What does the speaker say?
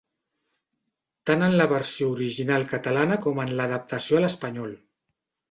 Tant en la versió original catalana com en l'adaptació a l'espanyol.